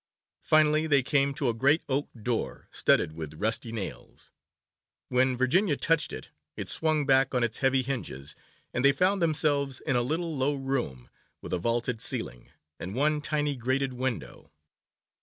Finally, they came to a great oak door, studded with rusty nails. When Virginia touched it, it swung back on its heavy hinges, and they found themselves in a little low room, with a vaulted ceiling, and one tiny grated window.